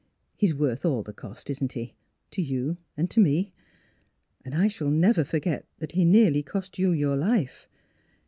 " He's worth all he cost isn't he? to you and to me. ... And I shall never for get that he nearly cost you your life.